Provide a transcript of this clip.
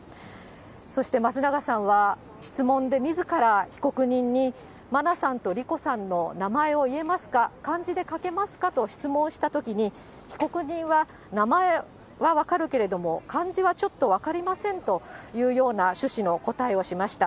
そして松永さんは、質問でみずから被告人に、真菜さんと莉子さんの名前を言えますか、漢字で書けますかと質問したときに、被告人は、名前は分かるけれども、漢字はちょっと分かりませんというような趣旨の答えをしました。